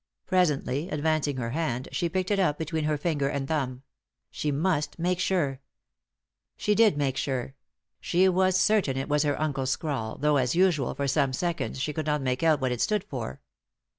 Presently, advancing her hand, she picked it up between her finger and thumb ; she must make sure. She did make sure; she was certain it was her uncle's scrawl, though, as usual, tor some seconds she could not make out what it stood for.